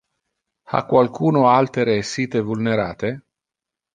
Ha qualcuno altere essite vulnerate?